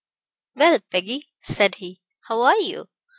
"Well, Peggy," said he, "how are you?